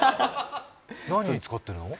何に使ってるの？